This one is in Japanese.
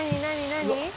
何？